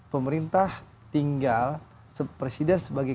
pemerintah tinggal presiden sebagai